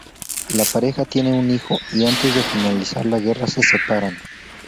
La pareja tiene un hijo y antes de finalizar la guerra se separan.